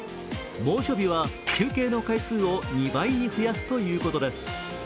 猛暑日は休憩の回数を２倍に増やすということです。